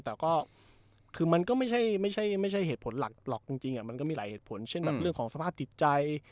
แต่ก็คือมันก็ไม่ใช่เหตุผลหลักหรอกจริงมันก็มีหลายเหตุผลเช่นแบบเรื่องของสภาพจิตใจ